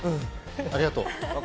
ありがとう。